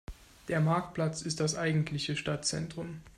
Der Marktplatz ist das eigentliche Stadtzentrum.